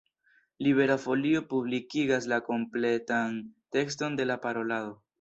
Libera Folio publikigas la kompletan tekston de la parolado.